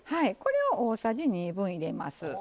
これを大さじ２分入れます。